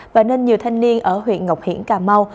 và nên nhiều thanh niên ở huyện ngọc hiển cà mau